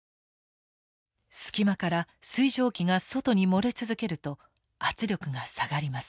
隙間から水蒸気が外に漏れ続けると圧力が下がります。